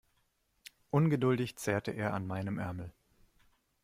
Ungeduldig zerrte er an meinem Ärmel.